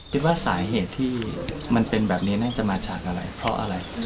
คิดว่าสาเหตุที่มันเป็นแบบนี้น่าจะมาจากอะไรเพราะอะไร